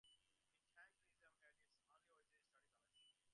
The tank museum had its early origins in a study collection.